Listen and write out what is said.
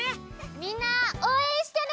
みんなおうえんしてね！